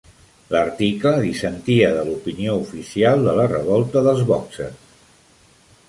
L'article dissentia de l'opinió oficial de la revolta dels bòxers.